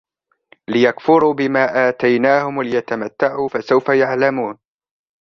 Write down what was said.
ليكفروا بما آتيناهم وليتمتعوا فسوف يعلمون